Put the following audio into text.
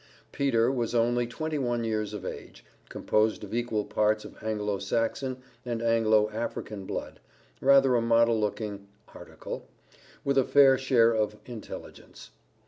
Peter was only twenty one years of age, composed of equal parts of Anglo Saxon and Anglo African blood rather a model looking "article," with a fair share of intelligence.